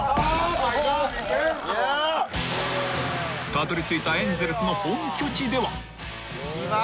［たどり着いたエンゼルスの本拠地では］来ましたね。